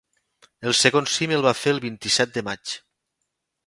El segon cim el va fer el vint-i-set de maig.